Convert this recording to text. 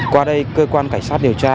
qua đây cơ quan cảnh sát điều tra